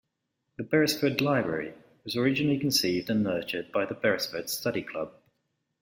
The Beresford Library was originally conceived and nurtured by the Beresford Study Club.